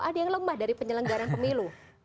ada yang lemah dari penyelenggaran pemilu